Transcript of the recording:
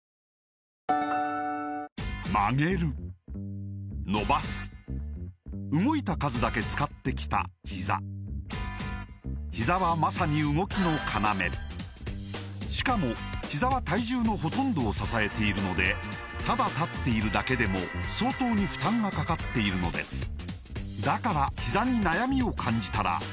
曲げる伸ばす動いた数だけ使ってきたひざひざはまさに動きの要しかもひざは体重のほとんどを支えているのでただ立っているだけでも相当に負担がかかっているのですだからひざに悩みを感じたら始めてみませんか